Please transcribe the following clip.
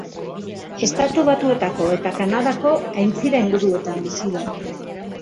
Estatu Batuetako eta Kanadako aintzira-inguruetan bizi da.